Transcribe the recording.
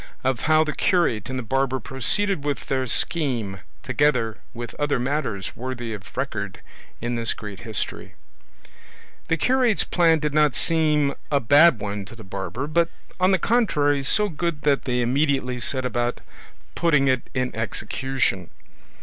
OF HOW THE CURATE AND THE BARBER PROCEEDED WITH THEIR SCHEME; TOGETHER WITH OTHER MATTERS WORTHY OF RECORD IN THIS GREAT HISTORY The curate's plan did not seem a bad one to the barber, but on the contrary so good that they immediately set about putting it in execution.